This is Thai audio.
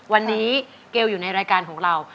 วันนี้เกลอยู่ในรายการของเรา